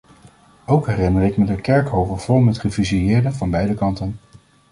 Ook herinner ik me de kerkhoven vol met gefusilleerden van beide kanten.